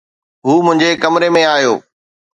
هو منهنجي ڪمري ۾ آيو